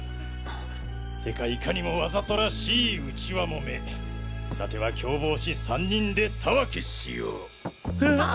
てかいかにもワザとらしい内輪揉めさては共謀し３人で田分氏を！？はあ？